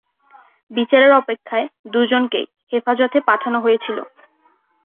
বিচারের অপেক্ষায় দুজনকেই হেফাজতে পাঠানো হয়েছিল।